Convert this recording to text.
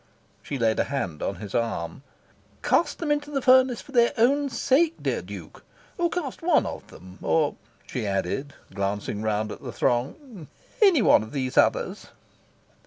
She laid a hand on his arm. "Cast them into the furnace for their own sake, dear Duke! Or cast one of them, or," she added, glancing round at the throng, "any one of these others!"